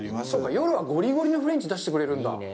夜はごりごりのフレンチを出してくれるんだ。